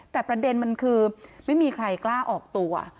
แต่ประเด็นมันคือไม่มีใครกล้าออกตัว